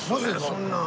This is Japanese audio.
そんな。